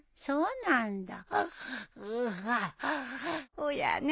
そうなんだよ。